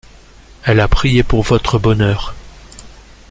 Elle a prié pour votre bonheur.